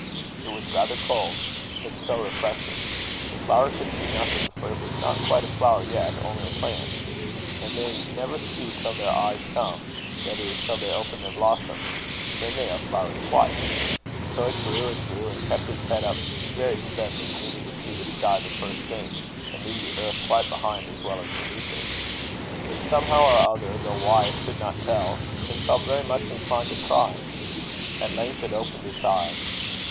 It was rather cold, but so refreshing. The flower could see nothing, for it was not quite a flower yet, only a plant; and they never see till their eyes come, that is, till they open their blossoms then they are flowers quite. So it grew and grew, and kept its head up very steadily, meaning to see the sky the first thing, and leave the earth quite behind as well as beneath it. But somehow or other, though why it could not tell, it felt very much inclined to cry. At length it opened its eye.